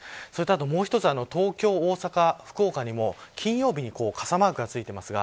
もう一つ、東京、大阪、福岡にも金曜日に傘マークが付いています。